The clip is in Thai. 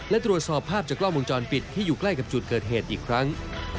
และตรวจสอบภาพจากกล้องวงจรปิดที่อยู่ใกล้กับจุดเกิดเหตุอีกครั้ง